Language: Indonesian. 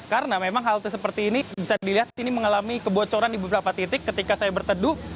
karena memang halte seperti ini bisa dilihat ini mengalami kebocoran di beberapa titik ketika saya berteduh